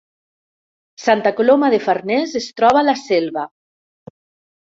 Santa Coloma de Farners es troba a la Selva